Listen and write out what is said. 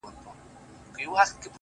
• چي ستا به اوس زه هسي ياد هم نه يم ـ